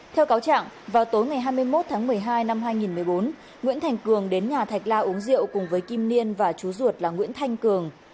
theo cáo trạng vào tối ngày hai mươi một tháng một mươi hai năm hai nghìn một mươi bốn nguyễn thành cường đến nhà thạch la uống rượu cùng với kim niên và chú ruột là nguyễn thanh cường